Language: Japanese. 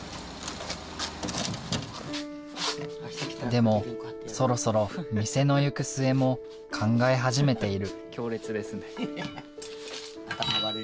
でもそろそろ店の行く末も考え始めている。